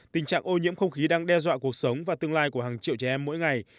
tình trạng ô nhiễm không khí đang đe dọa cuộc sống và tương lai của hàng triệu trẻ em mỗi ngày